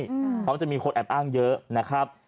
เพราะจะมีคนแอบอ้างเยอะนะครับ